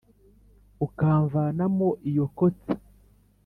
ukamvanamo iyo kotsa